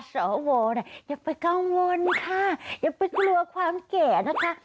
สวอย่าไปกังวลค่ะอย่าไปกลัวความแก่นะคะ